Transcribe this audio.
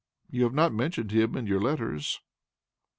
You have not mentioned him in your letters."